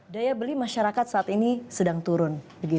daya beli masyarakat saat ini sedang turun